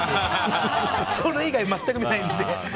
それ以外全く見ないので。